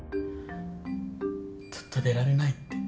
ずっと出られないって。